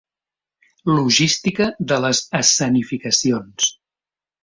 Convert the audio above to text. Logística de les escenificacions.